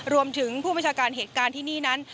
รวมถึงผู้บัชการเหตุการณ์ที่นี่นั้น